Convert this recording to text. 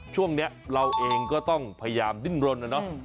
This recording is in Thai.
ช่วงนี้เราเองก็ต้องพยายามดิ้นรนนะเนาะ